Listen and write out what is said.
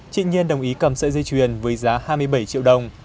chị nhiên đồng ý cầm sợi dây chuyền với giá hai mươi bảy triệu đồng